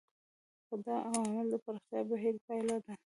خو دا عوامل د پراختیايي بهیر پایله ده.